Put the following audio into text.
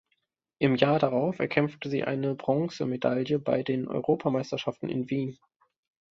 Im Jahr darauf erkämpfte sie eine Bronzemedaille bei den Europameisterschaften in Wien.